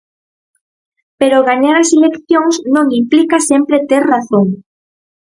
Pero gañar as eleccións non implica sempre ter razón.